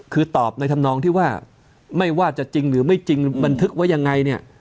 คือตอบในธรรมนองที่ว่าไม่ว่าจะจริงหรือไม่จริงบันทึกไว้ยังไงเนี่ย